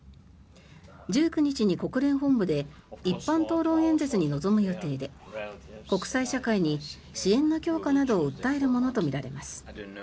１９日に国連本部で一般討論演説に臨む予定で国際社会に支援の強化などを訴えるものとみられます。